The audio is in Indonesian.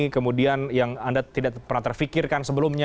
kemudian yang anda tidak pernah terfikirkan sebelumnya